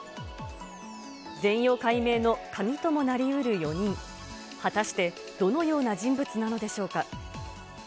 全容解明の鍵ともなりうる４人、果たしてどのような人物なのでしょうか。